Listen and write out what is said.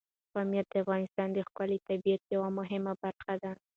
پامیر د افغانستان د ښکلي طبیعت یوه مهمه برخه ده.